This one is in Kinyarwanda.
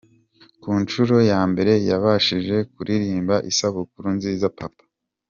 Ku nshuro ya mbere yabashije kuririmba Isabukuru Nziza Papa.